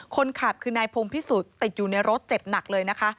คนขับคือนายพงพิสุทธิติดอยู่ในรถเจ็บหนักเลยนะคะ